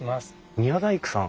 宮大工さん。